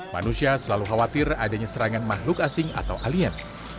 manusia selalu khawatir adanya serangan makhluk asing atau alien